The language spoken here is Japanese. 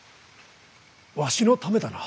わしのためだな？